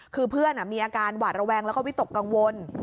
คือเพื่อนมีอาการหวาดระแวงแล้วก็วิตกกังวล